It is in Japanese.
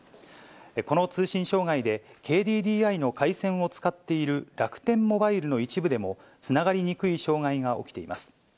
この通信障害で、ＫＤＤＩの回線を使っている楽天モバイルの一部でも、つながりにくい障害が起きています。